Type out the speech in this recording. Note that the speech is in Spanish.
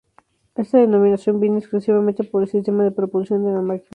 Esta denominación viene exclusivamente por el sistema de propulsión de la máquina.